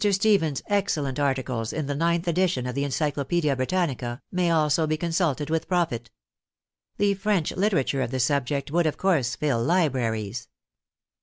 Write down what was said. Stephen's excellent articles in the ninth edition of the " Encyclopaedia Britannica " may also AUTHOR^S PREFACE vii be consulted with profit. The French Uterature of the subject would, of course, fill libraries.